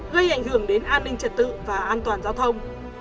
gây ảnh hưởng đến an ninh trật tự và an toàn giao thông